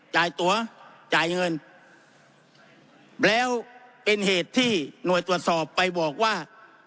จ่ายตัวจ่ายเงินแล้วเป็นเหตุที่หน่วยตรวจสอบไปบอกว่า